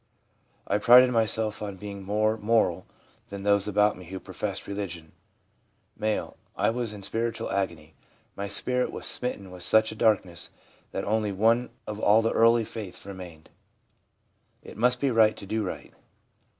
I prided myself on being more moral than those about me who professed religion/ M. 'I was in spiritual agony; my spirit was smitten with such a darkness that only one of all the early feiths remained, // must be right to do right!